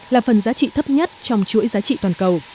là phần giá trị thấp nhất trong chuỗi giá trị toàn cầu